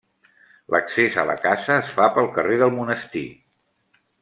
L'accés a la casa es fa pel carrer del Monestir.